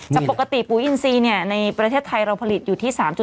ปกติปุ๋ยอินซีในประเทศไทยเราผลิตอยู่ที่๓๕